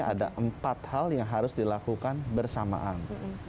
ada empat hal yang harus dilakukan bersamaan